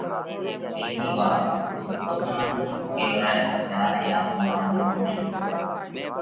پيرھين وات: جيوَتو منک اُو ڪيوَرائھ جيا رئي آتما جيوَتئي سئہ۔